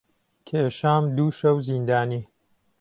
کێشام دوو شەو زیندانی